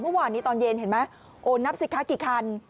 เมื่อวานตอนเย็นเห็นมั้ยโอนับสิทธิ์ค่ะกี่คัน